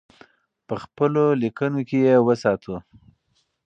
په خپلو لیکنو کې یې وساتو.